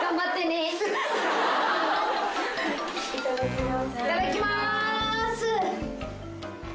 ・いただきます。